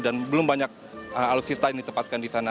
belum banyak alutsista yang ditempatkan di sana